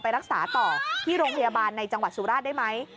รักษาต่อที่โรงพยาบาลในจังหวัดสุราชได้ไหม